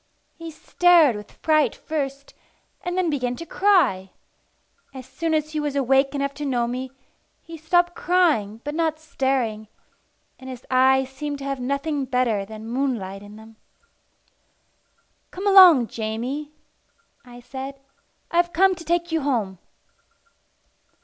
He stared with fright first, and then began to cry. As soon as he was awake enough to know me, he stopped crying but not staring, and his eyes seemed to have nothing better than moonlight in them. "Come along, Jamie," I said. "I'm come to take you home."